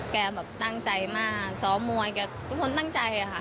แกตั้งใจมากสร้างมวลก็ตั้งใจค่ะ